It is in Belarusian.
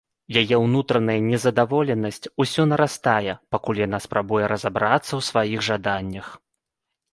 Яе ўнутраная незадаволенасць усё нарастае, пакуль яна спрабуе разабрацца ў сваіх жаданнях.